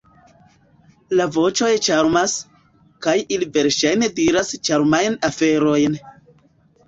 La voĉoj ĉarmas, kaj ili verŝajne diras ĉarmajn aferojn.